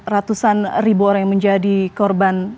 ratusan ribu orang yang menjadi korban